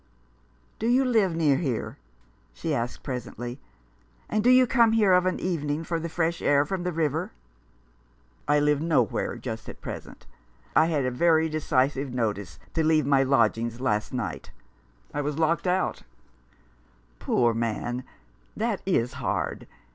" Do you live near here ?" she asked presently, "and do you come here of an evening for the fresh air from the river ?" "I live nowhere just at present. I had very decisive notice to leave my lodgings last night. I was locked out." 26 A Fellow feeling. "Poor man! That is hard.